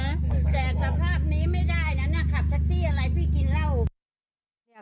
แต่สภาพนี้ไม่ได้นะน่ะขับทักซี่อะไรพี่กินเหล้า